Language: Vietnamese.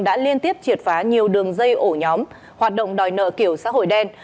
đã liên tiếp triệt phá nhiều đường dây ổ nhóm hoạt động đòi nợ kiểu xã hội đen